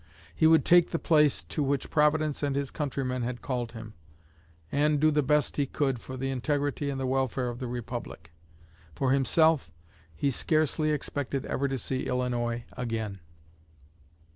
He would take the place to which Providence and his countrymen had called him, and do the best he could for the integrity and the welfare of the Republic. For himself, he scarcely expected ever to see Illinois again."